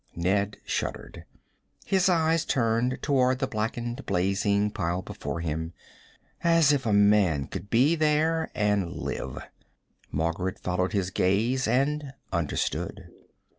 Ned shuddered. His eyes turned toward the blackened, blazing pile before him as if a man could be there, and live! Margaret followed his gaze and understood.